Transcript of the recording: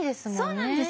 そうなんです。